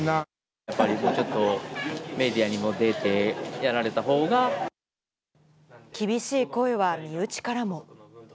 やっぱりちょっとメディアに厳しい声は身内からも。